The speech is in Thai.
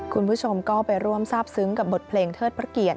คุณผู้ชมก็ไปร่วมทราบซึ้งกับบทเพลงเทิดพระเกียรติ